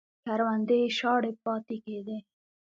کروندې یې شاړې پاتې کېدې